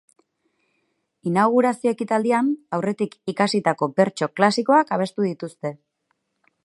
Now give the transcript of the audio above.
Inaugurazio ekitaldian aurretik ikasitako bertso klasikoak abestu dituzte.